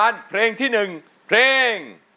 จริง